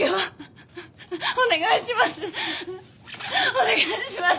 お願いします！